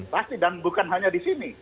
pasti dan bukan hanya di sini